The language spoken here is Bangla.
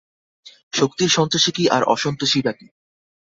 শক্তির সন্তোষই কী আর অসন্তোষই বা কী?